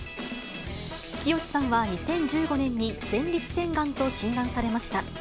きよしさんは２０１５年に前立腺がんと診断されました。